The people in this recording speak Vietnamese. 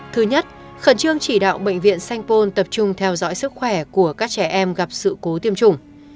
thứ nhất khẩn trương chỉ đạo bệnh viện sanh pôn tập trung theo dõi sức khỏe của các trẻ em gặp sự cố tiêm chủng